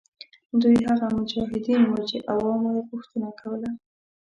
دوی هغه مجاهدین وه چې عوامو یې غوښتنه کوله.